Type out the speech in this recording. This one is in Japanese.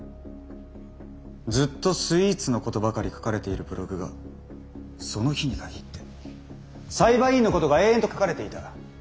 ずっとスイーツのことばかり書かれているブログがその日に限って裁判員のことが延々と書かれていた。